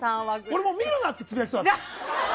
俺、見るなってつぶやきそうになった。